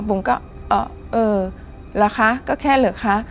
บุ๋มก็เออเหรอคะก็แค่เหรอคะ